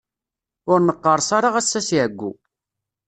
Ur neqqerṣ ara ass-a si ɛeggu.